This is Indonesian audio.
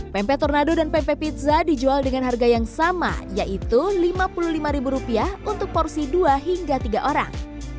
pempek tornado dan pempek pizza dijual dengan harga yang sama yaitu lima puluh lima ribu rupiah untuk porsi dua hingga tiga orang